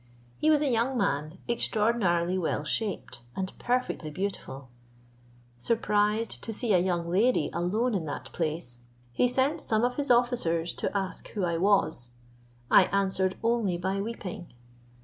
He was a young man extraordinarily well shaped, and perfectly beautiful. Surprised to see a young lady alone in that place, he sent some of his officers to ask who I was. I answered only by weeping.